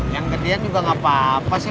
yang gedean juga nggak apa apa sih